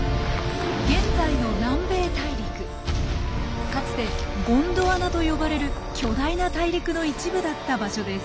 現在のかつてゴンドワナと呼ばれる巨大な大陸の一部だった場所です。